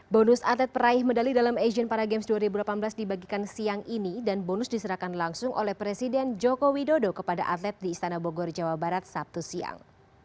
bonus atlet peraih medali dalam asian paragames dua ribu delapan belas dibagikan siang ini dan bonus diserahkan langsung oleh presiden joko widodo kepada atlet di istana bogor jawa barat sabtu siang